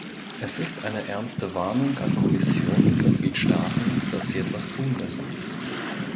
Es ist eine ernste Warnung an Kommission und Mitgliedstaaten, dass sie etwas tun müssen.